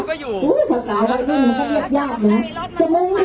แล้วก็คนตกงาน